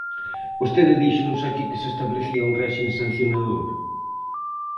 Vostede díxonos aquí que se establecía un réxime sancionador.